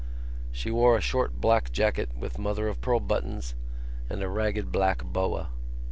She wore a short black jacket with mother of pearl buttons and a ragged black boa.